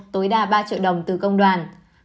một tối đa ba triệu đồng từ công đoàn